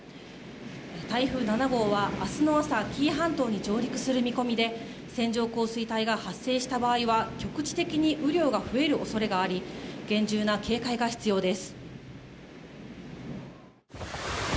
台風７号は明日の朝紀伊半島に上陸する見込みで線状降水帯が発生した場合は局地的に雨量が増えるおそれがあり厳重な警戒が必要です。